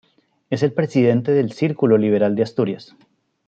Es presidente del Círculo Liberal de Asturias.